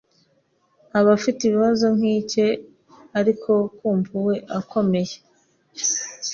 bafite ikibazo nk’icye, ariko akumva we akomeye